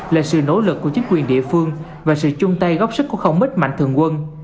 là sự nỗ lực của chính quyền địa phương và sự chung tay góp sức của không ít mạnh thường quân